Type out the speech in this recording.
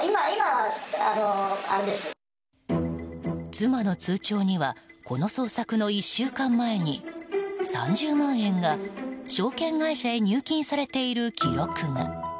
妻の通帳にはこの捜索の１週間前に３０万円が証券会社へ入金されている記録が。